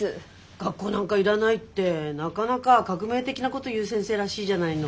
学校なんかいらないってなかなか革命的なこと言う先生らしいじゃないの。